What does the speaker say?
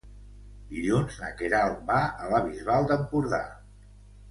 Dilluns na Queralt va a la Bisbal d'Empordà.